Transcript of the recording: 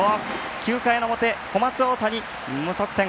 ９回の表、小松大谷無得点。